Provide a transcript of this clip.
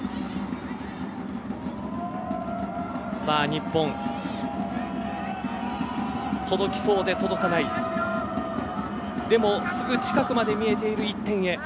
さあ、日本届きそうで届かないでも、すぐ近くまで見えている１点へ。